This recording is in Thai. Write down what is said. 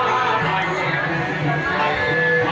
ขอบริการณ์จากโปรโลทุ่กมาพิสูจน์